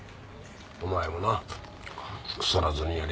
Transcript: お前もな腐らずにやれ。